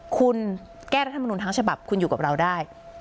คุณแก้รัฐมนุนทั้งฉบับคุณอยู่กับเราได้